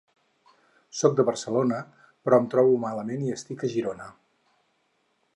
Soc de Barcelona, però em trobo malament i estic a Girona.